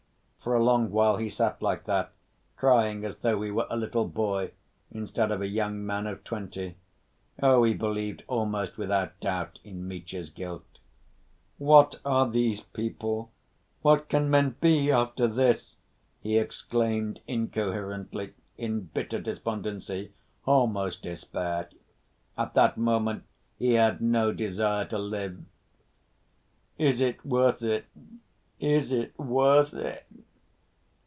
For a long while he sat like that, crying as though he were a little boy instead of a young man of twenty. Oh, he believed almost without doubt in Mitya's guilt. "What are these people? What can men be after this?" he exclaimed incoherently, in bitter despondency, almost despair. At that moment he had no desire to live. "Is it worth it? Is it worth it?"